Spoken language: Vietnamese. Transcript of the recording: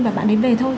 và bạn đến về thôi